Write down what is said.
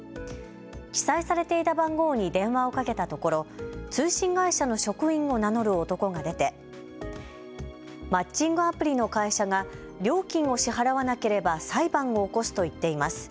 記載されていた番号に電話をかけたところ、通信会社の職員を名乗る男が出てマッチングアプリの会社が料金を支払わなければ裁判を起こすと言っています。